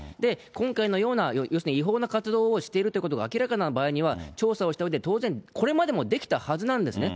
今回のような要するに違法な活動をしているということが明らかな場合には、調査をしたうえで当然、これまでもできたはずなんですね。